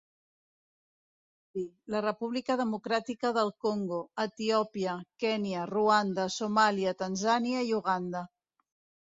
Viu a Burundi, la República Democràtica del Congo, Etiòpia, Kenya, Ruanda, Somàlia, Tanzània i Uganda.